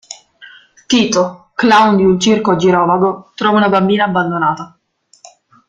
Tito, clown in un circo girovago, trova una bambina abbandonata.